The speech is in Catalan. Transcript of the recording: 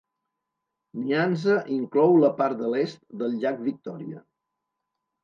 Nyanza inclou la part de l'est del llac Victòria.